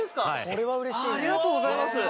ありがとうございます！